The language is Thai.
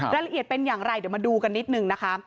รายละเอียดเป็นอย่างไรเดี๋ยวมาดูกันนิดนึงนะคะ